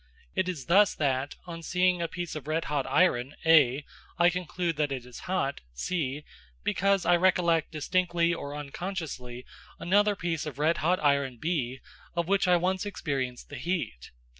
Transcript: It is thus that, on seeing a piece of red hot iron (A), I conclude it is hot (C), because I recollect distinctly or unconsciously another piece of red hot iron (B), of which I once experienced the heat.